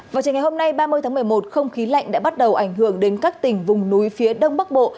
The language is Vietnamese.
vào trường ngày hôm nay ba mươi tháng một mươi một không khí lạnh đã bắt đầu ảnh hưởng đến các tỉnh vùng núi phía đông bắc bộ